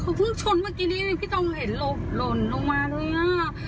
คือเพิ่งชนเมื่อกี้นี้พี่ต้องเห็นหลบหล่นลงมาเลยอ่ะ